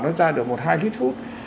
nó ra được một hai lít phút